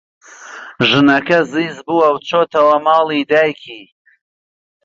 ژنەکە زیز بووە و چۆتەوە ماڵی دایکی.